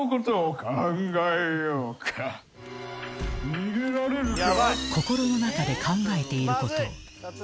「逃げられるか？」